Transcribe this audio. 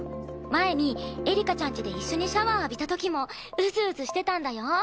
前にエリカちゃん家で一緒にシャワー浴びた時もうずうずしてたんだよ。